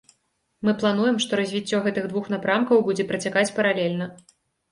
Мы плануем, што развіццё гэтых двух напрамкаў будзе працякаць паралельна.